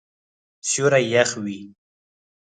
سیوری یخ وی